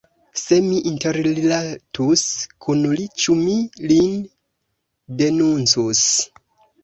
Se mi interrilatus kun li, ĉu mi lin denuncus?